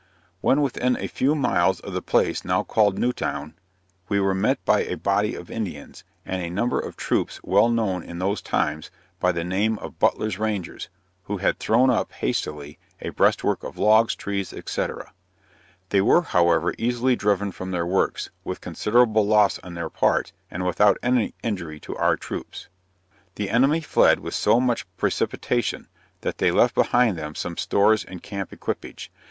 When within a few miles of the place now called Newtown, we were met by a body of Indians, and a number of troops well known in those times by the name of Butler's Rangers, who had thrown up, hastily, a breastwork of logs, trees, &c. They were, however, easily driven from their works, with considerable loss on their part, and without any injury to our troops. The enemy fled with so much precipitation, that they left behind them some stores and camp equippage.